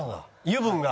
油分が。